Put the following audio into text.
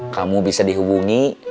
kamu bisa dihubungi